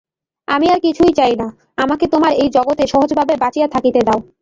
আমি আর কিছুই চাই না, আমাকে তোমার এই জগতে সহজভাবে বাঁচিয়া থাকিতে দাও।